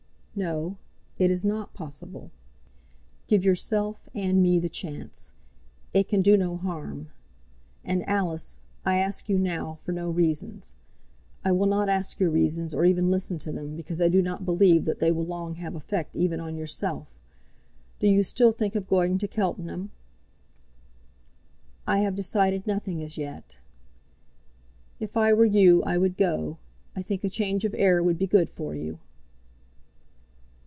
"No; it is not possible." "Give yourself and me the chance. It can do no harm. And, Alice, I ask you now for no reasons. I will not ask your reasons, or even listen to them, because I do not believe that they will long have effect even on yourself. Do you still think of going to Cheltenham?" "I have decided nothing as yet." "If I were you, I would go. I think a change of air would be good for you."